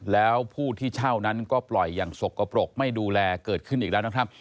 แล้วผู้ที่เช่านั้นก็ปล่อยอย่างสกปรกไม่ดูแลเกิดขึ้นอีกแล้วนะครับ